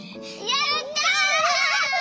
やった！